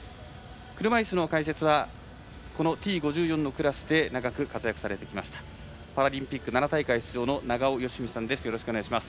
車いすの解説はＴ５４のクラスで長く活躍されましたパラリンピック７大会出場の永尾嘉章さんです。